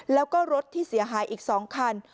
แล้วก็รถที่เสียหายอีก๒คัน